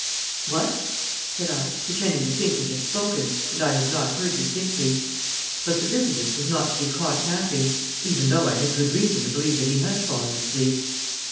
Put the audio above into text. "What?" said I, pretending to think it had spoken and I had not heard distinctly; but the visitant was not to be caught napping, even though I had good reason to believe that he had fallen asleep.